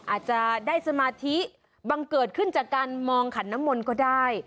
อาจจะได้สมาธิบังเกิดขึ้นจากการมองขันน้ำมนต์ก็ได้